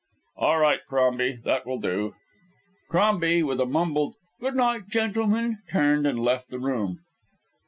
"All right, Crombie; that will do." Crombie, with a mumbled "Good night, gentlemen," turned and left the room.